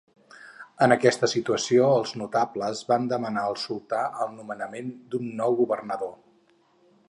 En aquesta situació els notables van demanar al sultà el nomenament d'un nou governador.